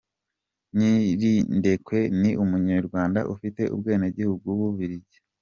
Nyirindekwe ni Umunyarwanda ufite ubwenegihugu bw’u Bubiligi .